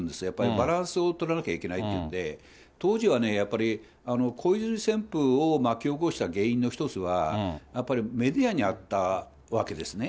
バランスを取らなきゃいけないというんで、当時はね、やっぱり小泉旋風を巻き起こした原因の一つは、やっぱりメディアにあったわけですね。